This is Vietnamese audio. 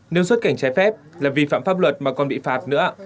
nếu xuất cảnh trái phép là vi phạm pháp luật mà còn bị phạt nữa